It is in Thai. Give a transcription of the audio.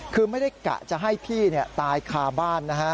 คือไม่ได้กะจะให้พี่ตายคาบ้านนะฮะ